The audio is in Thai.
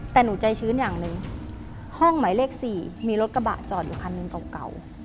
แต่หนูใจชื้นอย่างหนึ่งห้องหมายเลข๔มีรถกระบะจอดอยู่คันหนึ่งเก่า